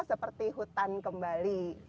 seperti hutan kembali